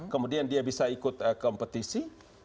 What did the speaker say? kemudian dia bisa ikut kompetisi